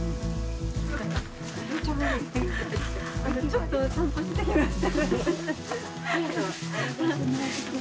ちょっと散歩してきました。